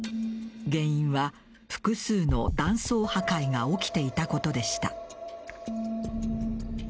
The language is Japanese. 原因は複数の断層破壊が起きていたことでした。